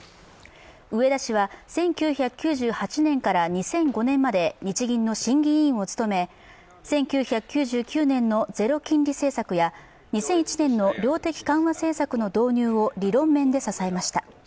植田氏は１９９８年から２００５年まで日銀の審議委員を務め１９９９年のゼロ金利政策や２００１年の量的緩和政策の導入を理論面で支えました。